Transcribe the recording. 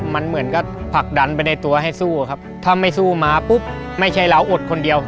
มันเหมือนก็ผลักดันไปในตัวให้สู้ครับถ้าไม่สู้มาปุ๊บไม่ใช่เราอดคนเดียว